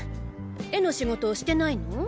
絵の仕事してないの？